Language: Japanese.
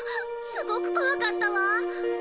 すごく怖かったわ。